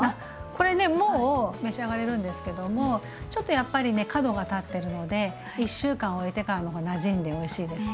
これねもう召し上がれるんですけどもちょっとやっぱりね角が立ってるので１週間おいてからの方がなじんでおいしいです。